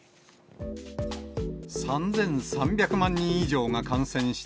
３３００万人以上が感染した